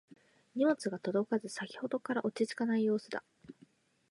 荷物が届かず先ほどから落ち着かない様子だった